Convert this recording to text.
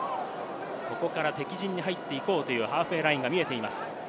ここから敵陣に入っていこうというハーフウェイラインが見えています。